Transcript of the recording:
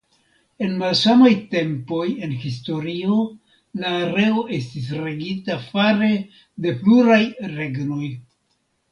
En malsamaj tempoj en historio la areo estis regita fare de pluraj regnoj.